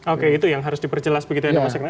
oke itu yang harus diperjelas begitu ya mas iqbal